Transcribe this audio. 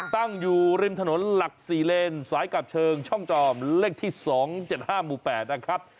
ตั้งอยู่ริมถนนหลัก๔เลนสายกลับเชิงช่องจอมเลขที่๒๗๕หมู่๘นะครับ